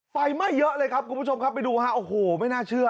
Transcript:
ไฟไหม้เยอะเลยครับคุณผู้ชมครับไปดูฮะโอ้โหไม่น่าเชื่อ